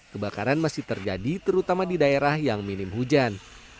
kebakaran masih terjadi terutama di daerah yang minim hujan